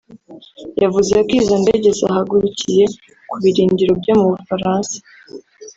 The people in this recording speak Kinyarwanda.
yavuze ko izo ndege zahagurukiye ku birindiro byo mu Bufaransa